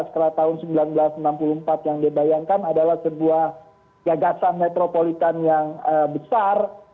setelah tahun seribu sembilan ratus enam puluh empat yang dia bayangkan adalah sebuah gagasan metropolitan yang besar